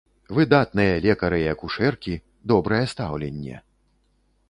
Выдатныя лекары і акушэркі, добрае стаўленне!